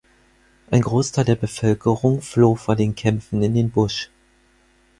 Ein Großteil der Bevölkerung floh vor den Kämpfen in den Busch.